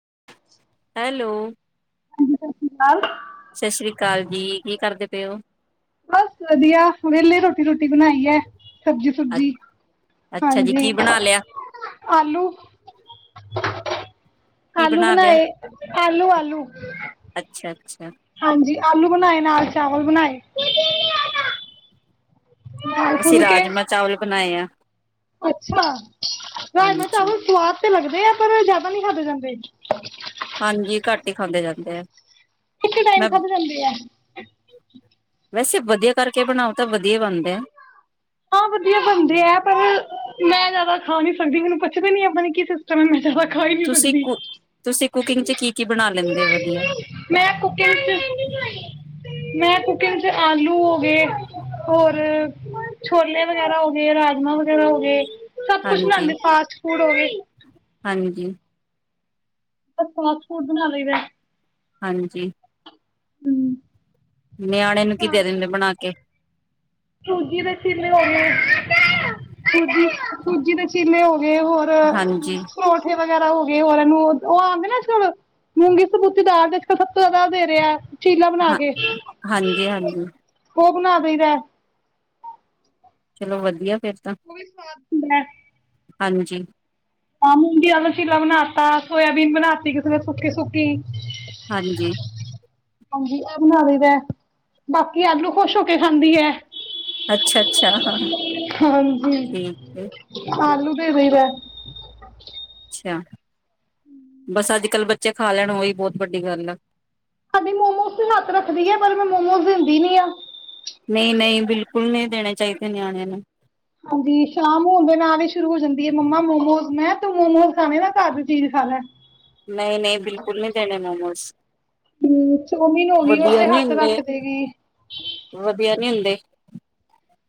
[inaudible] Hello [unintelligible] ਸਤਿ ਸ੍ਰੀ ਅਕਾਲ ਸਤਿ ਸ਼੍ਰੀ ਅਕਾਲ ਜੀ ਕੀ ਕਰਦੇ ਪਏ ਹੋ ਬਸ ਵਧੀਆ ਰੇਲੀ ਰੋਟੀ ਬਣਾਈ ਹ ਸਬਜੀ ਅ ਸੁਬਜੀ ਅੱਛਾ ਜੀ ਹਾਂਜੀ ਕੀ ਬਣਾ ਲਿਆ ਆਲੂ ਕੀ ਆਲੂ ਬਣਾ ਲਿਆ ਬਣਾਏ ਆਲੂ ਆਲੂ ਅੱਛਾ ਅੱਛਾ ਹਾਂਜੀ ਆਲੂ ਬਣਾਏ ਨਾਲ ਚਾਵਲ ਬਣਾਏ ਨਾਲ ਅਸੀਂ ਫੁਲਕੇ ਰਾਜਮਾ ਚਾਵਲ ਬਣਾਏ ਆ ਅੱਛਾ ਰਾਜਮਾ ਹਾਂਜੀ ਚਾਵਲ ਸਵਾਦ ਤੇ ਲੱਗਦੇ ਆ ਪਰ ਜ਼ਿਆਦਾ ਨੀ ਖਾਦੇ ਜਾਂਦੇ ਖਾਦੇ ਜਾਂਦੇ ਆ ਇੱਕ ਟਾਈਮ ਮੈਂ ਖਧ ਜਾਂਦੇ ਆ ਵੈਸੇ ਵਧੀਆ ਕਰਕੇ ਬਣਾਓ ਤਾਂ ਵਧੀਆ ਬਣਦੇ ਆ ਹਾਂ ਵਧੀਆ ਬਣਦੇ ਆ ਪਰ ਮੈਂ ਜ਼ਿਆਦਾ ਖਾ ਨਹੀਂ ਸਕਦੀ ਮੈਨੂੰ ਪੁੱਛ ਨੀ ਆਪਣੀ ਕੀ ਸਿਸਟਮ ਹੈ ਤਾ ਮੈਂ ਖਾਈ ਨੀ ਤੁਸੀਂ ਸਕਦੀ ਕੁ ਤੁਸੀਂ ਕੁਕਿੰਗ ਚ ਕੀ ਕੀ ਬਣਾ ਲੈਂਦੇ ਹੋ ਵਧੀਆ ਮੈਂ ਕੁਕਿੰਗ ਚ ਮੈਂ ਕੁਕਿੰਗ ਚ ਆਲੂ ਹੋ ਗਏ ਹੋਰ ਛੋਲੇ ਵਗੈਰਾ ਹੋ ਗਏ, ਰਾਜਮਾਂ ਵਗੈਰਾ ਹੋ ਗਏ। ਸਭ ਕੁਛ ਹਾਂਜੀ ਬਣਾਉਂਦੇ ਫਾਸਟ ਪੂੜ ਵੀ ਹਾਂਜੀ। ਬ ਫਸ ਫੂਡ ਬਣਾ ਲਈਦਾ। ਹਾਂਜੀ। ਹਮ ਨਿਆਣੇ ਨੂੰ ਕੀ ਦੇ ਦਿੰਦੇ ਬਣਾ ਕੇ। ਸੂਜੀ ਦੇ ਚਿਲੇ ਹੋ ਗਏ ਸੂਜੀ ਸੂਜੀ ਦੇ ਚਿਲੇ ਹੋ। ਹੋਰ ਹਾਂਜੀ ਪਰੋਠੇ ਵਗੈਰਾ ਹੋ ਗਏ ਹੋਰ ਇਹਨੂੰ ਉਹ ਆਉਂਦੇ ਨਾ ਅੱਜਕਲ ਮੂੰਗੀ ਸਬੂਤੀ ਦਾਲ ਅੱਜਕਲ ਸੱਤਰ ਹਜ਼ਾਰ ਦੇ ਰਿਹਾ ਚੀਲਾ ਬਣਾ ਹਾਂ ਕੇ। ਹਾਂਜੀ ਹਾਂਜੀ ਉਹ ਬਣਾ ਦਈਦਾ ਚਲੋ ਵਧੀਆ। ਫਿਰ ਤਾਂ ਉਹ ਵੀ ਸਵਾਦ ਬ ਹਾਂਜੀ। ਹਾਂ ਮੁੂੰਗੀ ਵਾਲਾ ਚੀਲਾ ਬਣਾ ਤਾ। ਸੋਇਬੀਨ ਬਣਾ ਤ ਕਿਸੇ ਨੇ ਸੁੱਕੀ ਸੁੱਕੀ। ਹਾਂਜੀ। ਹਾਂਜੀ, ਇਹ ਬਣਾ ਲਇਦੇ ਬਾਕੀ ਆਲੂ ਖੁਸ਼ ਹੋ ਕੇ ਖਾਂਦੀ ਹੈ। ਅੱਛਾ ਅੱਛਾ ਹਾਂ ਹਾਂਜੀ, ਠੀਕ ਹੈ ਆਲੂ ਦੇ ਦੇਈ ਦੇ ਹਾਂ ਅੱਛਾ ਬਸ ਅੱਜ-ਕੱਲ ਬੱਚੇ ਖਾ ਲੈਣ ਉਹੀ ਬਹੁਤ ਵੱਡੀ ਗੱਲ ਆ। ਹਾਂਜੀ ਮੋਮੋਸ ਤੇ ਹੱਥ ਰੱਖਦੀ ਹੈ, ਪਰ ਮੈਂ ਮੋਮੋਸ ਦਿੰਦੀ ਨੀ ਆ। ਨਹੀਂ ਨਹੀਂ ਬਿਲਕੁਲ ਨਹੀਂ ਦੇਣੇ ਚਾਹੀਦੇ ਨਿਆਣਿਆਂ ਨੂੰ। ਹਾਂਜੀ, ਸ਼ਾਮ ਹੋਣ ਦੇ ਨਾਲ ਹੀ ਸ਼ੁਰੂ ਹੋ ਜਾਂਦੀ ਹੈ ਮੰਮਾ ਮੋਮੋਸ ਮੈਂ ਤੂੰ ਮੋਮੋਸ ਖਾਣੇ ਨਾ ਘਰ ਦੀ ਚੀਜ਼ ਖਾ ਲੈ। ਨਹੀਂ-ਨਹੀਂ ਬਿਲਕੁਲ ਨਹੀਂ ਦੇਣੇ ਮੋਮੋਸ, ਹੂੰ ਚੌਮਿਨ ਹੋ ਗਈ ਉਹ ਵਧੀਆ ਤੇ ਨਹੀਂ ਹੱਥ ਹੁੰਦੇ ਰੱਖ ਦੇਗੀ। ਵਧੀਆ ਨਹੀਂ ਹੁੰਦੇ। [inaudible]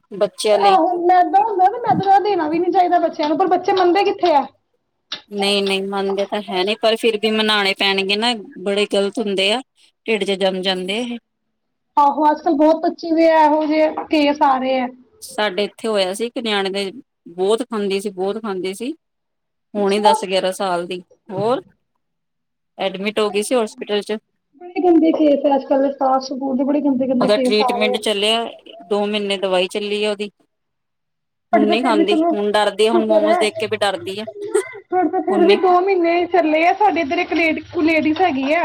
ਲਈ ਆਹੁ ਮੈਦਾ ਹੁੰਦਾ ਤੇ ਮੈਦਾ ਤਾ ਦੇਣਾ ਵੀ ਨੀ ਚਾਹੀਦਾ ਬੱਚਾ ਬੱਚਿਆਂ ਨੂੰ ਪਰ ਬੱਚੇ ਮੰਨਦੇ ਕਿੱਥੇ ਆ। ਨਹੀਂ-ਨਹੀਂ ਮੰਨਦੇ ਤਾਂ ਹੈ ਨਹੀਂ ਪਰ ਫਿਰ ਵੀ ਮਨਾਣੇ ਪੈਣਗੇ ਨਾ ਬੜੇ ਗ਼ਲਤ ਹੁੰਦੇ ਆ। ਢਿੱਡ ਚ ਜੰਮ ਜਾਂਦੇ ਇਹ ਆਹੋ ਅੱਜ-ਕਲ ਬਹੁਤ [unintelligible] ਇਹੋ ਜਿਹੇ ਕੇ ਸਾਰੇ ਹੈ। ਸਾਡੇ ਇੱਥੇ ਹੋਇਆ ਸੀ ਨਿਆਣੇ ਦੇ ਬਹੁਤ ਖਾਂਦੀ ਸੀ ਬਹੁਤ ਖਾਂਦੀ ਸੀ ਹੋੁਣੀ ਅੱਛਾ ਦਸ ਗਿਆਰਾਂ ਸਾਲ ਦੀ ਹੋਰ ਐਡਮਿਟ ਹੋ ਬੇ ਗਈ ਸੀ ਹੋਸਪਿਟਲ ਚ ਬੜੇ ਗੰਦੇ ਖੇਸ ਹੈ ਅੱਜ ਕੱਲ ਸਾਫ ਸੂ ਦੇ ਬੜੇ ਗੰਦੇ ਗੰਦੇ ਉਹਦਾ ਕੇਸ ਆ ਰਹੇ ਟ੍ਰਰੀਟਮੈਂਟ ਆ ਚੱਲਿਆ ਦੋ ਮਹੀਨੇ ਦਾ ਦਵਾਈ ਚੱਲੀ ਆ ਉਹਦੀ ਹੁਣ ਤੁਹਾਡੇ ਤਾਂ ਨੀ ਫਿਰ ਵੀ ਖਾਂਦੀ ਚਲੋ ਹੁਣ ਡਰਦੀ ਆ ਹੁਣ ਸ਼ੁਕਰ ਮੋਮੋਸ ਹੈ ਦੇਖ ਕੇ ਵੀ ਡਰਦੀ ਆ। ਤੁਹਾਡੇ ਤਾਂ ਹੁਣ ਫਿਰ ਵੀ ਨੀ ਦੋ ਮਹੀਨੇ ਚੱਲੇ ਆ ਸਾਡੇ ਇੱਧਰ ਇੱਕ ਲੇ ਲੇਡੀ ਹੈਗੀ ਆ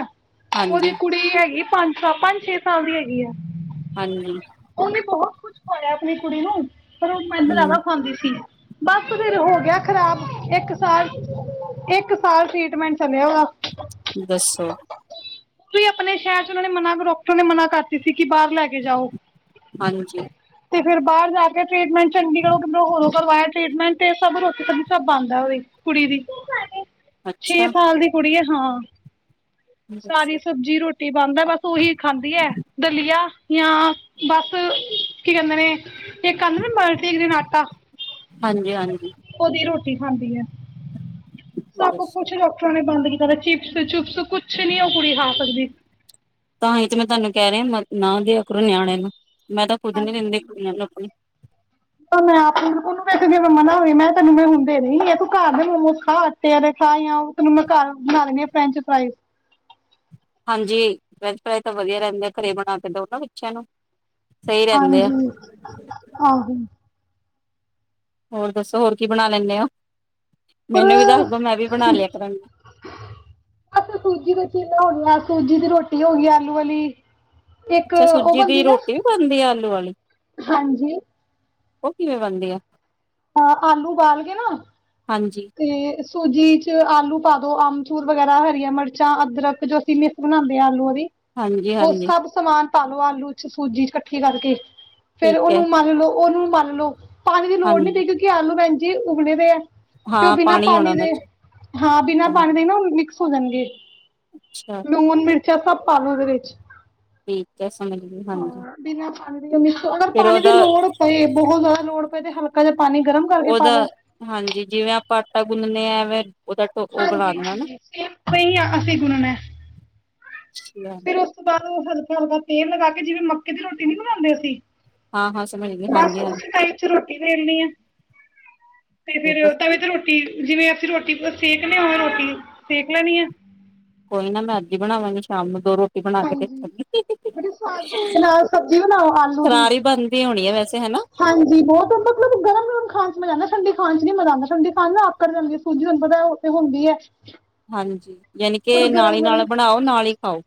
ਉਹਦੀ ਹਾਂਜੀ ਕੁੜੀ ਹੈਗੀ ਪੰਜ ਸ ਪੰਜ-ਛੇ ਸਾਲਂਦੀ ਹੈਗੀ ਆ ਹਾਂਜੀ ਉਹਨੇ ਬਹੁਤ ਕੁਛ ਇਆ ਆਪਣੀ ਕੁੜੀ ਨੂੰ ਜਾਦਾਂ ਹੂੰ ਖਾਂਦੀ ਸੀ ਬਸ ਫਰ ਹੋ ਗਿਆ ਖ਼ਰਾਬ ਇੱਕ ਸਾਲ ਇੱਕ ਸਾਲ ਟ੍ਰਿਟਮੈਂਟ ਚੱਲਿਆ ਓਦਾ। ਦੱਸੋ ਆਪਣੇ ਸ਼ਹਿਰ ਚ ਉਹਨਾਂ ਨੇ ਮਨਾ ਡਾਕਟਰ ਨੇ ਮਨਾ ਕਰਤੀ ਸੀ। ਕਿ ਬਾਹਰ ਲੈ ਕੇ ਜਾਓ ਹਾਂਜੀ ਤੇ ਫਿਰ ਬਾਹਰ ਜਾ ਕੇ ਟ੍ਰੀਟਮੈਂਟ ਚੰਡੀਗੜ੍ਹ ਹੋ ਕਰਵਾਇਆ ਟ੍ਰੀਟਮੈਂਟ ਤੇ ਸਭ ਰੋਟੀ ਸਭ ਬਣਦਾ ਉਹਦੀ ਕੁੜੀ ਦੀ ਛੇ ਅੱਛਾ ਸਾਲ ਦੀ ਕੁੜੀ ਹੈ ਹਾਂ ਸਾਰੀ ਦੱਸੋ ਸਬਜ਼ੀ ਰੋਟੀ ਬੰਦ ਹੈ ਬਸ ਓਹੀ ਖਾਂਦੀ ਹੈ ਦਲੀਆ ਜਾਂ ਬਸ ਕੀ ਕਹਿੰਦੇ ਨੇ ਇੱਕ ਆਂਦੇ ਨੇ ਬਰ ਦੇਖਦੇ ਨੇ ਆਟਾ ਹਾਂਜੀ ਹਾਂਜੀ ਖਾਂਦੀਏ ਸਭ ਦੱਸੋ ਕੁਛ ਡਾਕਟਰਾਂ ਨੇ ਬੰਦ ਚਿਪਸ ਚੁਪਸ ਕੁਛ ਨੀ ਉਹ ਕੁੜੀ ਹ ਤਾਂਹੀ ਤੇ ਮੈਂ ਤੁਹਾਨੂੰ ਕਹਿ ਰਿਹਾ ਮ ਨਾ ਦੀਆ ਕਰੋ ਨਿਆਣੇੈ ਨੂੰ ਮੈਂ ਤਾਂ ਖੁਦ ਨੀ ਦਿੰਦੀ ਕੁੜੀਆਂ ਨੂੰ ਆਪਣੀ ਮੈਂ ਆਪ ਬਿਲਕੁਲ ਜਿਵੇਂ ਮਨਾ ਮੈਂ ਤੈਨੂੰ ਮੈਂ ਹੁੰਦੇ ਰ ਤੂੰ ਘਰ ਦੇ ਮੋਮੋਸ ਖਾ ਆਟੇ ਵਾਲੇ ਖਾ ਜਾਂ ਤੈਨੂੰ ਮੈਂ ਘਰ ਬਣਾ ਲੈਂਦੀ ਆ ਫਰੈਂਚ ਫਰਾਈ ਹਾਂਜੀ ਵੈਜ ਫਰਾਈ ਤਾਂ ਵਧੀਆ ਰਹਿੰਦੇ ਘਰੇ ਬਣਾ ਕੇ ਦੋ ਨਾ ਬੱਚਿਆਂ ਨੂੰ ਸਹੀ ਰਹਿੰਦੇ ਆ ਹਾਂਜੀ ਆਹੋ ਹੋਰ ਦੱਸੋ ਹੋਰ ਕੀ ਬਣਾ ਲੈਂਦੇ ਹੋ ਪਰ ਮੈਨੂੰ ਵੀ ਦੱਸ ਦੋ ਮੈਂ ਵੀ ਬਣਾ ਲਿਆ ਕਰਾਂਗੀ। ਅਸ ਸੂਜੀ ਦੇ ਚੀਨ ਹੋਣੀ ਆ ਸੂਜੀ ਰੋਟੀ ਹੋ ਗਈ ਆਲੂ ਵਾਲੀ ਇੱਕ ਅੱਛਾ ਉਹ ਸੂਜੀ ਦੀ ਬਣਦੀ ਨਾ ਰੋਟੀ ਵੀ ਬਣਦੀ ਆ ਆਲੂ ਵਾਲੀ ਹਾਂਜੀ ਉਹ ਕਿਵੇਂ ਬਣਦੀ ਆ ਹਾਂ ਆਲੂ ਉਬਾਲ ਕੇ ਨਾ ਹਾਂਜੀ ਤੇ ਸੂਜੀ ਚ ਆਲੂ ਪਾ ਦੋ ਅਮਚੂਰ ਵਗੈਰਾ ਹਰੀਆਂ ਮਿਰਚਾਂ ਅਦਰਕ ਜੋ ਅਸੀਂ ਮਿਕਸ ਬਣਾਉਂਦੇ ਹਾਂ ਆਲੂ ਦੀ ਹਾਂਜੀ ਉਸ ਹਾਂਜੀ ਸਭ ਸਮਾਨ ਪਾਲੋ ਆਲੂ ਚ ਸੂਜੀ ਚ ਇਕੱਠੀ ਕਰਕੇ ਫੇਰ ਠੀਕ ਹੈ ਉਹਨੂੰ ਮੰਨ ਲਓ ਉਹਨੂੰ ਮੰਨ ਲਓ ਪਾਣੀ ਦੀ ਲੋੜ ਨਹੀਂ ਹਾਂਜੀ ਪਯੀ ਕਿਉਂਕਿ ਆਲੂ ਪੈਂ ਜੀ ਉਗਲੇ ਦੇ ਆ ਤੇ ਉਹ ਹਾਂ ਬਿਨਾਂ ਹੋਣਾ ਪਾਣੀ ਉਹਨਾਂ ਦੇ ਚ ਹਾਂ ਬਿਨਾਂ ਪਾਣੀ ਹਾਂਜੀ ਦੇ ਨਾ ਹੋ ਜਾਣਗੇ ਅੱਛਾ ਲੂਨ ਮਿਰ [unintelligible] ਪਾਲੋ ਉਹਦੇ ਵਿੱਚ ਠੀਕ ਹੈ ਸਮਝ ਗਈ ਹਾਂਜੀ ਤੇ ਨੀਚੇ ਅਗਰ ਫਿਰ ਪਾਣੀ ਦੀ ਉਹਦਾ ਲੋੜ ਪਏ ਬਹੁਤ ਜ਼ਿਆਦ ਲੋੜ ਪਏ ਤੇ ਹਲਕਾ ਜਿਆ ਪਾਣੀ ਗਰਮ ਕਰਕੇ ਪਾ ਉਹਦਾ ਲੋ। ਹਾਂਜੀ ਜਿਵੇਂ ਆਪਾਂ ਆਟਾ ਗੁੰਨਨੇ ਆ ਐਂਵੇਂ। ਹਾਂਜੀ-ਹਾਂਜੀ, ਸਈ ਆ ਅਸੀ ਗੁੰਨਨੈ। ਅੱਛਾ ਫਿਰ ਉਸ ਤੋਂ ਬਾਅਦ ਉਹ ਹਲਕਾ-ਹਲਕਾ ਤੇਲ ਲਗਾ ਕੇ ਜਿਵੇਂ ਮੱਕੀ ਦੀ ਰੋਟੀ ਨੀ ਬਣਾਉਂਦੇ ਅਸੀਂ ਹਾਂ ਹਾਂ ਸਮਝ ਗਈ ਬਸ ਹਾਂਜੀ ਉਸ ਹਾਂਜੀ ਟਾਈਪ ਚ ਰੋਟੀ ਵੇਲਣੀ ਏ। ਤੇ ਫਿਰ ਤਵੇ ਤੇ ਰੋਟੀ ਜਿਵੇਂ ਅਸੀਂ ਰੋਟ ਕਿਸਰਾਂ ਸੇਕਨੇ ਔ ਰੋਟੀ ਸੇਕ ਲੈਣੀ ਏ। ਕੋਈ ਨਾ ਮੈਂ ਅੱਜ ਈ ਬਣਾਵਾਂਗੀ ਸ਼ਾਮ ਨੂੰ ਦੋ ਰੋ ਹਾਂਜੀ, ਤੇ ਨਾਲ ਸਬਜ਼ੀ ਬਣਾਓ ਆਲੂ ਦੀ। ਕਰਾਰੀ ਬਣਦੀ ਹੋਣੀ ਹੈ ਵੈਸੇ ਹਨਾ ਹਾਂਜੀ, ਬਹੁਤ ਮਤਲਬ ਗਰਮ-ਗਰਮ ਖਾਣ ਚ ਮਜਾ ਆਂਦਾ ਠੰਡੀ ਖਾਣ ਚ ਨੀ ਮਜ਼ਾ ਆਂਦਾ ਠੰਡੀ ਖਾਣ ਨਾਲ ਆਕੜ ਜਾਂਦੀ ਏ ਸੂਜੀ ਅੰਦਰੋਂ [unintelligible] ਹੁੰਦੀ ਐ। ਹਾਂਜੀ। ਯਾਨੀ ਪਰ ਕਿ ਨਾਲ ਹੀ ਗਰਮ-ਗਰਮ, ਨਾਲ ਬਣਾਓ ਨਾਲ ਹੀ ਖਾਓ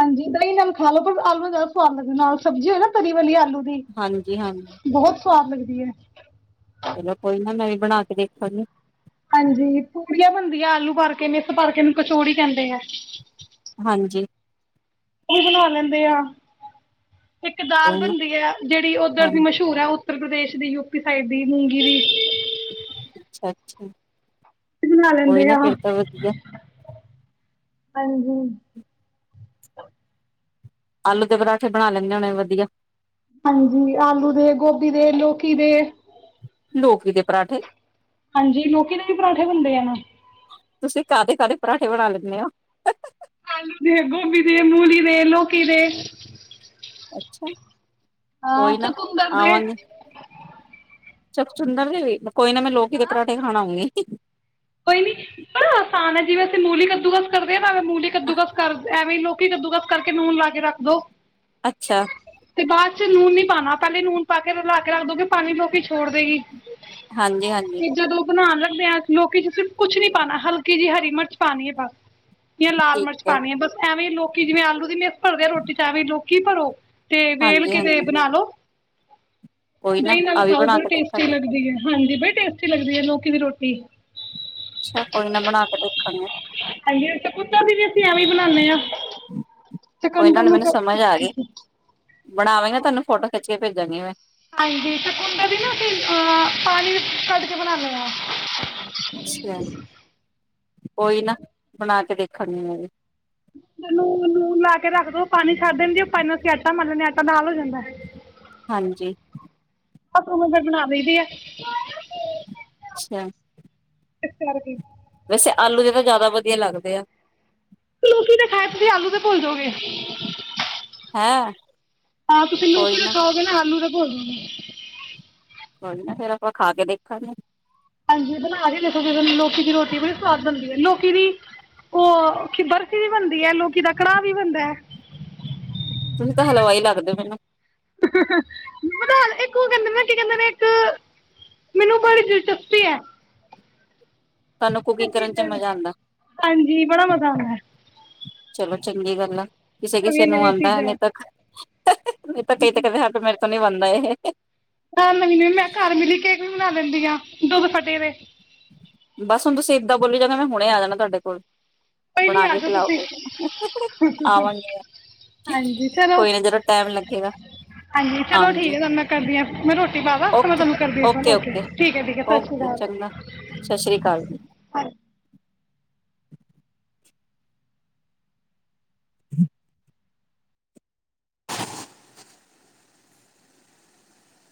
ਹਾਂਜੀ ਦਈਂ ਨਾਲ ਖਾ ਲੋ ਭਾਵੇਂ ਆਲੂ ਨਾਲ ਜਾਦਾ ਸਵ ਤੁਆ ਡ ਨਾਲ ਸਬਜ਼ੀ ਏ ਨਾ ਤਰੀ ਵਾਲੀ ਆਲੂ ਹਾਂਜੀ-ਹਾਂਜ ਤੂਆਦ ਲੱਗਦੀ ਏ। ਕੋਈ ਨਾ ਮੈਂ ਵੀ ਬਣਾ ਕੇ ਦੇਖਾਂਗੇ। ਹਾਂਜੀ ਪੂੜੀਆਂ ਬਣਦੀਆਂ ਆਲੂ ਭਰ ਕੇ ਮਿਸ ਭਰ ਇਨੂੰ ਕਚੋੜੀਕਹਿੰਦੇ ਐ। ਹਾਂਜੀ। ਇਹ ਹਰ ਲੈਂਦੇ ਆਂ। ਇੱਕ ਦਾਲ ਕੋਈ ਨਾ ਬਣਦੀ ਐ ਜੜੀ ਔਦਰ ਦੀ ਹਾਂਜੀ ਮਸ਼ਹੂਰ ਐ। ਉੱਤਰ ਪ੍ਰਦੇਸ਼ ਦੀ, ਯੂ ਪੀ ਸਾਈਡ ਦੀ ਮੂੰਗੀ ਦੀ ਅੱਛਾ-ਛਾ। ਬਣਾ ਕੋਈ ਲੈਂਦੇ ਨਾ ਆ ਫਿਰ ਤਾਂ ਵਧੀਆ ਹਾਂਜੀ। ਆਲੂ ਤੇ ਪਰਾਂਠੇ ਬਣਾ ਲੈਂਦੇ ਹੋਣੇ ਵਧੀਆ ਹਾਂਜੀ ਆਲੂ ਦੇ ਗੋਭੀ ਦੇ ਲੋਕੀ ਦੇ ਲੋਕੀ ਦੇ ਪਰਾਂਠੇ ਹਾਂਜੀ ਲੋਕੀ ਦੇ ਵੀ ਪਰਾਂਠੇ ਹੁੰਦੇ ਆ ਨਾ ਤੁਸੀਂ ਕਾਹਦੇ ਕਾਹਦੇ ਪਰਾਂਠੇ ਬਣਾ ਲੈਨੇ ਹੋ ਆਲੂ ਦੇ ਗੋਭੀ ਦੇ ਮੂਲੀ ਦੇ ਲੋਕੀ ਦੇ ਅੱਛਾ ਹਾਂ ਕੋਈ ਤੇ ਨਾ ਘਮ ਕਰਦੇ [unintelligible] ਸਲਪ ਸੁੁੰਦਰ ਦੇੀ [unintelligible] ਕੋਈ ਨਾ ਮੈਂ ਲੋਕੀ ਦੇ ਪਰਾਂਠੇ ਖਾਣ ਆਊਂਗੀ ਇੱਕ ਕੋਈ ਨੀ ਪਰ ਆਸਾਨ ਹੈ ਜਿਵੇਂ ਅਸੀਂ ਮੂਲੀ ਕੱਦੂਕਦ ਕਰਦੇ ਹਾਂ ਭਾਵੇਂ ਮੂਲੀ ਕੱਦੂਬਸ ਕਰ ਐਵੇਂ ਲੋਕ ਲੋਕੀ ਕੱਦੂਕੱਸ ਕਰਕੇ ਨੂਨ ਲਾ ਕੇ ਰੱਖ ਦੋ ਅੱਛਾ ਤੇ ਬਾਅਦ ਚ ਨੂਨ ਨੀ ਪਾਉਣਾ ਪਹਿਲੇ ਨੂਨ ਪਾ ਕੇ ਲਲਾ ਕੇ ਰੱਖ ਦੋਗੇ ਪਾਣੀ ਲੋਕੀ ਛੋੜ ਦੇਗੀ ਹਾਂਜੀ ਹਾਂਜੀ ਚੀਜ਼ਾਂ ਦੋ ਬਣਾ ਲੈ [unintelligible] ਲੋਕੀ ਚ ਸਿਰਫ ਕੁਛ ਨੀ ਪਾਉਣਾ ਹਲਕੀ ਜਿਹੀ ਹਰੀ ਮਿਰਚ ਪਾਣੀ ਹੈ ਬਸ ਜਾਂ ਲਾਲ ਮਿਰਚ ਪਾਣੀ ਹੈ ਬਸ ਐਵੇਂ ਲੋਕੀ ਜਿਵੇਂ ਆਲੂ ਦੀ ਮੇ ਭਰਦੇ ਆ ਰੋਟੀ ਚਚ ਐਵੇਂ ਲੋਕ ਕੀ ਭਰੋ ਤੇ ਵੇਲ ਹਾਂਜੀ ਕਿਤੇ ਹਾਂਜੀ ਬਣਾ ਲੋ ਕੋਈ ਨਾ ਦਹੀਂ ਨਾਲ ਆ ਵੀ ਖਾਓ ਬਣਾ ਬੜੀ ਕੇ ਟੇਸਟੀ ਦੇਖਾਂਗੇ ਲੱਗਦੀ ਹੈ ਹਾਂਜੀ ਬੜੀ [unintelligible] ਅੱੀ ਲੱਗਦੀ ਹੈ ਲੋਕੀ ਦੀ ਰੋਟੀ [unintelligible] ਅੱਛਾ ਕੋਈ ਨਾ ਬਣਾ ਕੇ ਦੇਖਾਂਗੇ ਹੈ ਤੇ ਕੁੱਤਾ ਦੀ ਵੀ ਅਸੀਂ ਐਵੇਂ ਬਣਾਨੇ ਹਾਂ ਕੋਈ ਚਿਕੰਦਰ ਨੂੰ ਬਣਾਵੇਂਗੇ ਤੁਹਾਨ ਫੋਟੋ ਖਿਚ ਕੇ ਭੇਜਾਂਗੀ ਮੈਂ ਹਾਂਜੀ ਤੇ ਕੁੰਡਾ ਵੀ ਨਾ ਅਸੀਂ ਅਹ ਪਾਣੀ ਵਿੱਚ ਕੱਢ ਕੇ ਬਣਾਨੇ ਹਾਂ [unintelligible] ਕੋਈ ਨਾ ਬਣਾ ਕੇ ਦੇਖਾਂਗੀ ਮੈਂ ਨੂੰ ਲੂਨ ਲਾ ਕੇ ਰੱਖ ਦੋ ਪਾਣੀ ਛੱਡ ਦੇਂਦੀ ਉਹ ਪਾਣੀ ਨਾਲਸੀ ਆਟਾ ਮਨ ਲਣੇ ਆਟਾ ਨਾਲ ਹੋ ਜਾਂਦਾ ਹਾਂਜੀ [unintelligible] ਅੱਛਾ [unintelligible] ਵੈਸੇ ਆਲੂ ਦੇ ਤਾਂ ਜ਼ਿਆਦਾ ਵਧੀਆ ਲੱਗਦੇ ਆ ਲੋਕੀ ਦੇ ਖ਼ਾ ਕੇ ਤੁਸੀਂ ਆਲੂ ਦੇ ਭੁੱਲ ਜਾਓਗੇ ਹੈਂ ਹਾਂ ਤੁਸੀਂ ਲੋਕੀ ਦੇ ਖਾਓਗੇ ਨਾ ਆਲੂ ਦੇ [unintelligible] ਕੋਈ ਨਾ ਫੇਰ ਆਪਾਂ ਖਾ ਕੇ ਦੇਖਾਂਗੇ ਹਾਂਜੀ ਬਣਾ ਕੇ ਦੇਖੋ ਜ ਲੋਕੀ ਦੀ ਰੋਟੀ ਬੜੀ ਸਵਾਦ ਹੁੰਦੀ ਹੈ ਲੋਕੀ ਦੀ ਉਹ ਕਿ ਬਰ ਵੀ ਬਣਦੀ ਹੈ ਲੋਕੀ ਦਾ ਕੜਾਹ ਵੀ ਬਣਦਾ ਹੈ ਤੁਸੀਂ ਤਾਂ [unintelligible] ਇੱਕ ਉਹ ਕਹਿੰਦੇ ਨਾ ਕੀ ਕਹਿੰਦੇ ਨੇ ਇੱਕ ਮੈਨੂੰ ਬੜੀ ਦਿਲਚਸਪੀ ਹੈ ਸਾਨੂੰ ਕੁਕਿੰਗ ਕਰਨ ਚ ਮਜ਼ਾ ਆਂਦਾ ਹਾਂਜੀ ਬੜਾ ਮਜ਼ਾ ਆਉਂਦਾ ਚਲੋ ਚੰਗੀ ਗੱਲ ਆ ਕਿਸੇ ਕਿਸੇ ਨਵੀਆਂ ਨੂੰ ਨਵੀਆਂ ਆਉਂਦਾ ਨਹੀਂ ਚੀਜ਼ਾਂ ਤਾਂ [unintelligible] ਨਹੀਂ ਤੇ ਕਈਆਂ ਦੇ ਹੱਡ ਪੈਰ [unintelligible] ਮੇਰੇ ਤੋਂ ਨਹੀਂ ਬੰਦਾ ਇਹ ਤੁਸੀਂ ਨਹੀਂ ਮੰਨਣਾ ਮੈਂ ਕਰ ਮਿੰਨੀ ਕੇਕ ਬਣਾ ਲੈਦੀ ਹਾਂ ਦੁੱਧ ਫੱਟੇ ਦੇ ਬਸ ਹੁਣ ਤੁਸੀਂ ਇਦਾਂ ਬੋਲੀ ਜਾ ਮੈਂ ਹੁਣੇ ਆ ਜਾਣਾ ਤੁਹਾਡੇ ਕੋਲ ਪਹਿਲਾਂ ਹੀ ਬਣਾ ਆ ਕੇ ਜੋ ਖਿਲਾਓ ਤੁਸੀਂ ਫਿਰ ਮੈਨੂੰ ਆਵਾਂਗੀ ਮੈਂ ਹਾਂਜੀ ਚਲੋ ਕੋਈ ਨਾ ਜਦੋਂ ਟਾਈਮ ਲੱਗੇਗਾ ਹਾਂਜੀ ਚਲੋ ਠੀਕ ਆਊਂਗੀ ਹ ਤੁਹਾਨੂੰ ਮੈਂ ਕਰਦੀ ਆਂ ਮੈਂ ਰੋਟੀ [unintelligible] ਰੋਟੀ ਬਣਾ ਲਾ ਫੇਰ ਫੇਰ ਓਕੇ ਮੈਂ ਕਰਦੀ ਆਂ ਓਕੇ ਓਕੇ ਠੀਕ ਹ ਠੀਕ ਹ ਸਤਿ ਓਕੇ ਸ਼੍ਰੀ ਚੰਗਾ ਸਤਿ ਸ੍ਰੀ ਅਕਾਲ। ਅਕਾਲ [unintelligible]